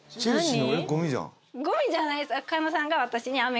ゴミじゃないです